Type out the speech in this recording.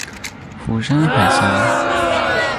釜山海峡。